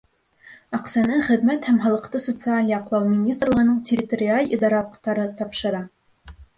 Аҡсаны Хеҙмәт һәм халыҡты социаль яҡлау министрлығының территориаль идаралыҡтары тапшыра.